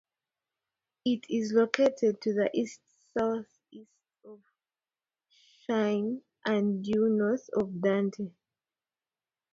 It is located to the east-southeast of Shayn and due north of Dante.